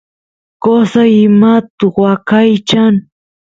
qosay imat waqaychan